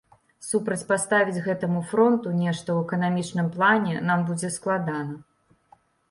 Супрацьпаставіць гэтаму фронту нешта ў эканамічным плане нам будзе складана.